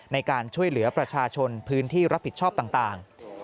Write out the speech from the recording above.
ในการช่วยเหลือประชาชนพื้นที่รับผิดชอบต่าง